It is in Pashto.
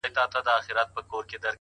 هڅه د فرصتونو دروازې پرانیزي’